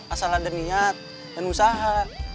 asal ada niat dan usaha